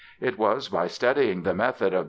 It was by studying the methods of ...